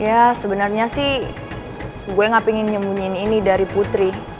ya sebenarnya sih gue gak pengen nyemunyiin ini dari putri